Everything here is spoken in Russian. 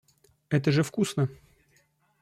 Это же вкусно.